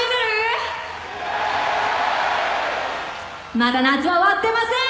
まだ夏は終わってません！